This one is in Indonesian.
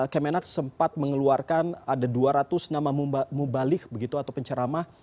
kemenak sempat mengeluarkan ada dua ratus nama mubalik begitu atau penceramah